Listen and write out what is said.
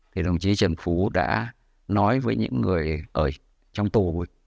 thì đồng chí trần phú đã nói với những người ở trong tù